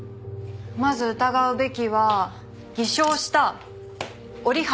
まず疑うべきは偽証した折原大吾ですね。